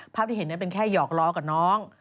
ภาพที่เห็นเป็นแค่หยอกล้อกับน้อง